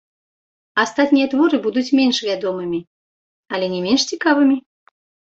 Астатнія творы будуць менш вядомымі, але не менш цікавымі.